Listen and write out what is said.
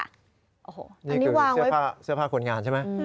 โอ้โหนี่คือเสื้อผ้าคนงานใช่ไหม